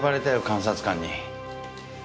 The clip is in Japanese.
監察官に。